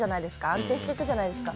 安定していくじゃないですか。